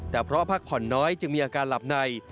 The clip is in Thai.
แต่เพราะพักผ่อนน้อยจึงมีอาการหลับใน